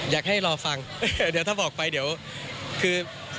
อยากให้รอฟังเดี๋ยวถ้าบอกไปเดี๋ยวคือ